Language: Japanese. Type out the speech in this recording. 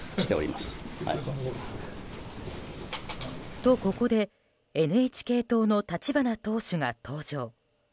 と、ここでＮＨＫ党の立花党首が登場。